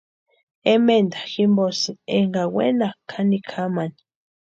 Ementa jimposïni énka wenakʼa janikwa jamani.